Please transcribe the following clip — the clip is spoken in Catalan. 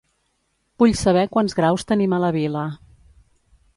Vull saber quants graus tenim a la vila.